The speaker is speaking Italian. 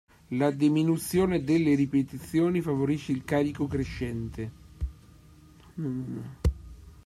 La diminuzione delle ripetizioni favorisce il carico crescente.